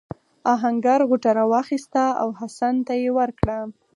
آهنګر غوټه راواخیسته او حسن ته یې ورکړه.